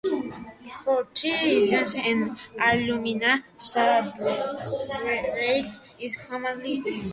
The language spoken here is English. For these reasons, an alumina substrate is commonly used.